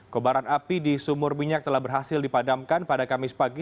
kobaran api di sumur minyak telah berhasil dipadamkan pada kamis pagi